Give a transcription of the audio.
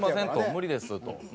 無理です」と。